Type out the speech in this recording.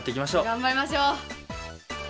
頑張りましょう。